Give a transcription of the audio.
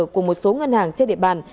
của một số ngân hàng trên địa bàn